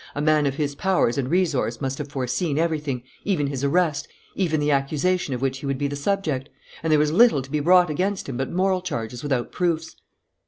A man of his powers and resource must have foreseen everything, even his arrest, even the accusation of which he would be the subject; and there is little to be brought against him but moral charges without proofs."